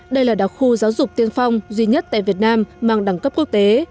đây là đặc khu giáo dục tiên phong duy nhất tại việt nam mang đẳng cấp quốc tế